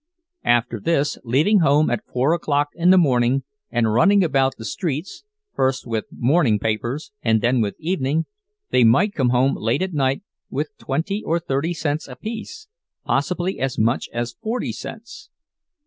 After this, leaving home at four o'clock in the morning, and running about the streets, first with morning papers and then with evening, they might come home late at night with twenty or thirty cents apiece—possibly as much as forty cents.